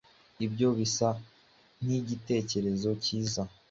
Ibyo bisa nkigitekerezo cyiza.